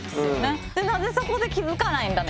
何でそこで気付かないんだね